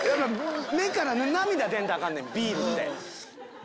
目から涙出んとアカンねんビールって。